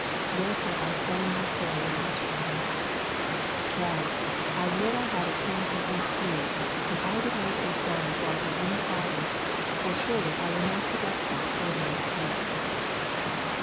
Wherefore I said in my soul with much gladness, Well, I would I had a pen and ink here and I would write this down before I go any farther, for surely I will not forget this forty years hence.'